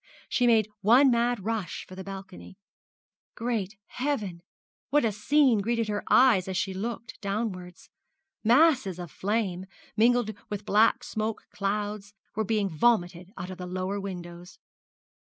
She made one mad rush for the balcony. Great Heaven, what a scene greeted her eyes as she looked downwards! Masses of flame, mingled with black smoke clouds, were being vomited out of the lower windows.